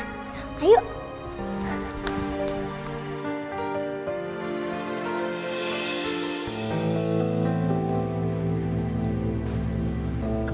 gimana sih mereka